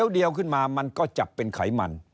เดี๋ยวขึ้นมามันก็จับเป็นไขมัน